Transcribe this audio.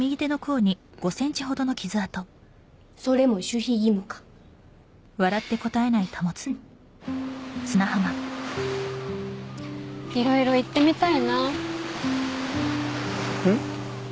それも守秘義務かいろいろ行ってみたいなん？